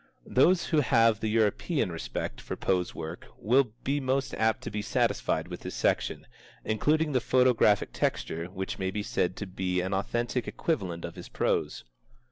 Those who have the European respect for Poe's work will be most apt to be satisfied with this section, including the photographic texture which may be said to be an authentic equivalent of his prose.